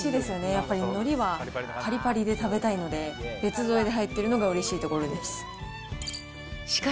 やっぱりのりは、ぱりぱりで食べたいので、別添えで入ってるのがうれしいところです。